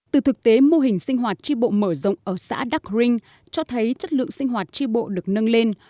từ thực tế mô hình sinh hoạt tri bộ mở rộng ở xã đắc rinh cho thấy chất lượng sinh hoạt tri bộ được nâng lên